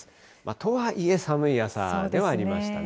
とはいえ、寒い朝ではありましたね。